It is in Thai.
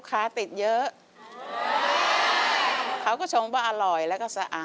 ก็ยังไม่รู้